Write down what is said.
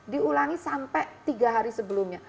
diulangi sampai tiga hari sebelumnya